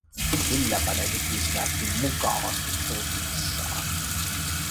Kylläpä ne vikisivätkin mukavasti tuskissaan.